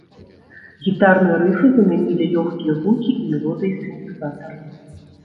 Гітарныя рыфы замянілі лёгкія гукі і мелодыі сінтэзатараў.